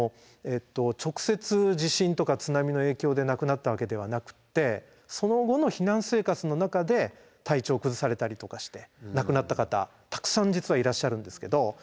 直接地震とか津波の影響で亡くなったわけではなくってその後の避難生活の中で体調を崩されたりとかして亡くなった方たくさん実はいらっしゃるんですけど。